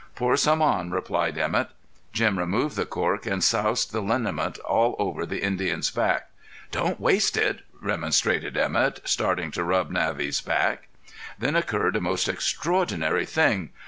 "Pour some on," replied Emett. Jim removed the cork and soused the liniment all over the Indian's back. "Don't waste it," remonstrated Emett, starting to rub Navvy's back. Then occurred a most extraordinary thing.